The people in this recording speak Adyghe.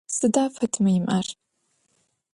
Сыда Фатимэ имыӏэр?